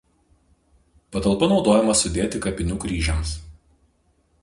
Patalpa naudojama sudėti kapinių kryžiams.